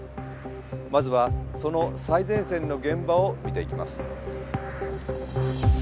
まずはその最前線の現場を見ていきます。